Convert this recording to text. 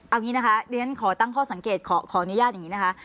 เอางี้นะคะเรียนขอตั้งข้อสังเกตขออนุญาตอย่างนี้นะคะ